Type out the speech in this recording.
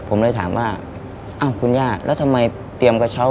ผมเลยถามว่าอ้าวคุณย่าแล้วทำไมเตรียมกระเช้า